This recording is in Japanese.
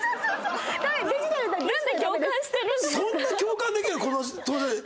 そんな共感できる？